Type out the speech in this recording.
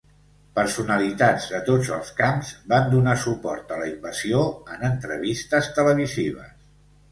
Personalitats de tots els camps van donar suport a la invasió en entrevistes televisives.